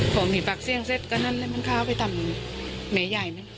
พวกมีภักษ์เสี่ยงเสร็จก็นั่นเลยมันข้าวไปทำเมียใหญ่